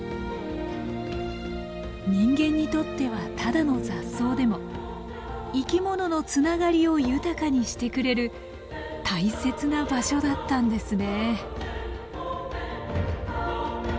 人間にとってはただの雑草でも生き物のつながりを豊かにしてくれる大切な場所だったんですね。